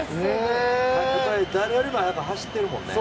誰よりも早く走ってるもんね。